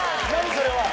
それは。